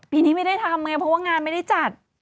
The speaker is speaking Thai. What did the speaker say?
ปีนี้ไม่ได้ทำไงเพราะว่างานไม่ได้จัด